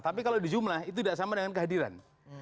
tapi kalau di jumlah itu tidak sama dengan kehadiran